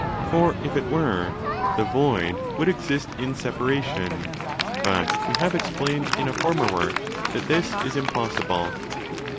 For, if it were, 'the void' would exist in separation; but we have explained in a former work 7 that this is impossible.